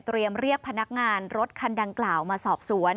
เรียกพนักงานรถคันดังกล่าวมาสอบสวน